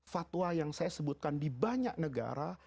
fatwa yang saya sebutkan di banyak negara